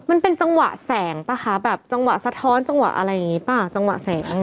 มันเป็นจังหวะแสงป่ะคะแบบจังหวะสะท้อนจังหวะอะไรอย่างนี้ป่ะจังหวะแสง